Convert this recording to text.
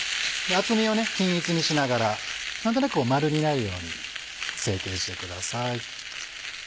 厚みを均一にしながら何となく丸になるように成形してください。